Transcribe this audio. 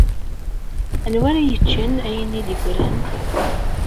Anwa ara yeččen ayen i d-yeggran?